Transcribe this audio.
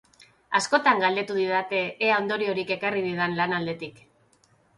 Askotan galdetu didate ea ondoriorik ekarri didan lan aldetik.